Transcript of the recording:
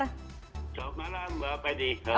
selamat malam mbak fadika